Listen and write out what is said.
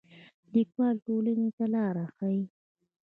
لیکوال ټولنې ته لار ښيي